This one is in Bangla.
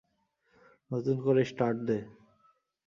নতুন করে স্টার্ট দে।